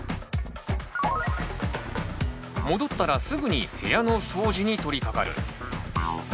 戻ったらすぐに部屋の掃除に取りかかる。